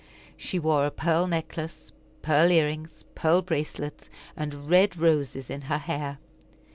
She wore a pearl necklace, pearl ear rings, pearl bracelets, and red roses in her hair.